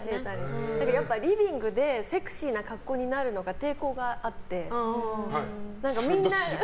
やっぱリビングでセクシーな格好になるのが抵抗があって。